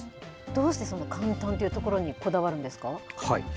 どうして簡単というところにこだわるんですか。